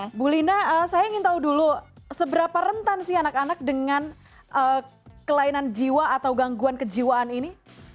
ibu lina saya ingin tahu dulu seberapa rentan sih anak anak dengan kelainan jiwa atau gangguan kejiwaan ini